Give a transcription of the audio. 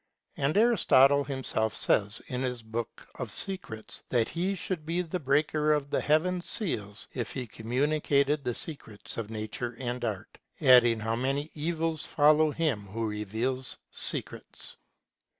And Aristotle himself says, in his book of Secrets, that he should be the breaker of the heavens' seal if he communicated the secrets of nature and art ; adding how many evils follow him who reveals secrets.